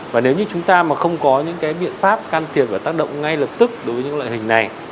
và nếu như chúng ta mà không có những cái biện pháp can thiệp và tác động ngay lập tức đối với những loại hình này